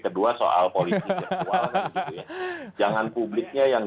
kedua soal politik virtual gitu ya jangan publiknya yang